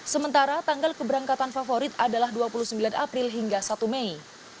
sementara tanggal keberangkatan favorit adalah dua puluh sembilan april hingga satu mei